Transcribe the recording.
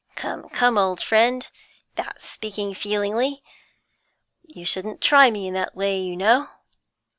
'Come, come, old friend; that's speaking feelingly. You shouldn't try me in that way, you know.